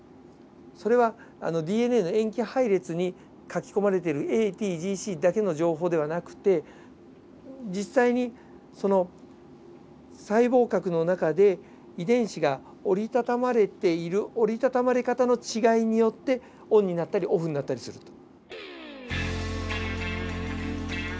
それはＤＮＡの塩基配列に書き込まれてるＡＴＧＣだけの情報ではなくて実際にその細胞核の中で遺伝子が折りたたまれている折りたたまれ方の違いによってオンになったりオフになったりすると。